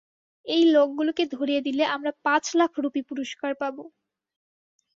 এই লোকগুলোকে ধরিয়ে দিলে আমরা পাঁচ লাখ রুপি পুরস্কার পাবো।